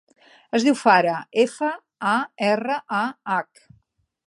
Es diu Farah: efa, a, erra, a, hac.